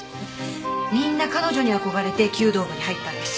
みんな彼女に憧れて弓道部に入ったんです。